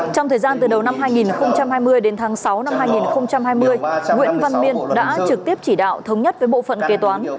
trong thời gian từ đầu năm hai nghìn hai mươi đến tháng sáu năm hai nghìn hai mươi nguyễn văn miên đã trực tiếp chỉ đạo thống nhất với bộ phận kế toán